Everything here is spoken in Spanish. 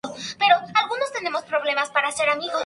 La columna no tiene pie.